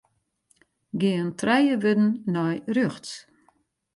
Gean trije wurden nei rjochts.